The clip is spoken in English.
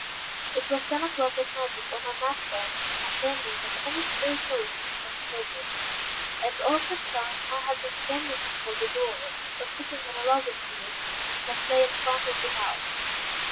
It was ten o'clock at night before my master and his companions had finished their toasts and toddy; and all this time, I had been standing before the door, or sitting on a log of wood, that lay in front of the house.